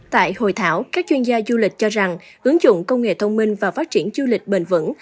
tại hội thảo các chuyên gia du lịch cho rằng ứng dụng công nghệ thông minh và phát triển du lịch bền vững